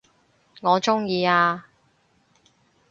我鍾意啊